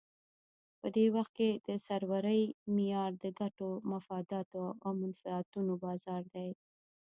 په دې وخت کې د سرورۍ معیار د ګټو، مفاداتو او منفعتونو بازار دی.